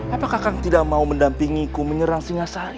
apakah kakang tidak mau mendampingiku menyerang singasari